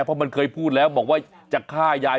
เพราะมันเคยพูดแล้วบอกว่าจะฆ่ายาย